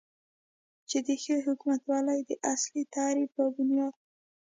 چې د ښې حکومتولې داصلي تعریف په بنیاد